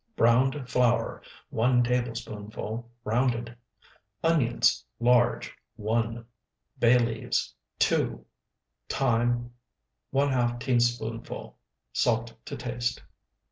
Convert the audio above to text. Browned flour, 1 tablespoonful rounded. Onions, large, 1. Bay leaves, 2. Thyme, ½ teaspoonful. Salt to taste.